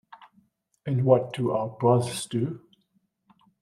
And what do our brothers do?